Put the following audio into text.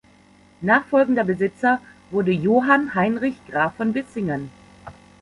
Nachfolgender Besitzer wurde Johann Heinrich Graf von Bissingen.